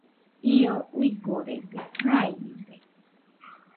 Io uigorede, jainide,